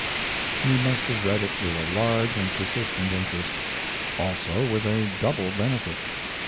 He must have read it with a large and persistent interest; also with a double benefit.